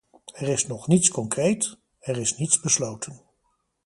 Er is nog niets concreet; er is niets besloten.